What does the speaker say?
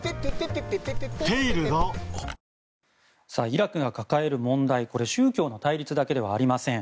イラクが抱える問題宗教の対立だけではありません。